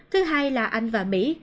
thứ hai là anh và mỹ